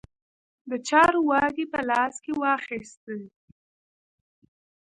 د چارو واګې په لاس کې واخیستې.